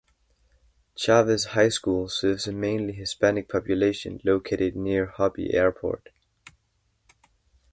Chavez High School serves a mainly Hispanic population located near Hobby Airport.